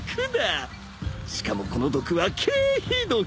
しかもこの毒は経皮毒